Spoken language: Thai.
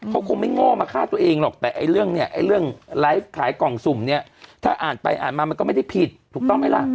เขาคงไม่โง่มาฆ่าตัวเองหรอกแต่ไอ้เรื่องเนี่ยไอ้เรื่องไลฟ์ขายกล่องสุ่มเนี่ยถ้าอ่านไปอ่านมามันก็ไม่ได้ผิดถูกต้องไหมล่ะ